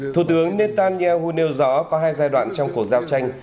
thủ tướng netanyahu nêu rõ có hai giai đoạn trong cuộc giao tranh